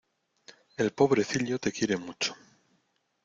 El pobrecillo te quiere mucho.